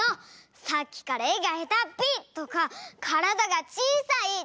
さっきから「えがへたっぴ」とか「からだがちいさい」とか。